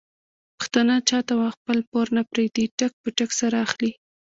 پښتانه چاته خپل پور نه پرېږدي ټک په ټک سره اخلي.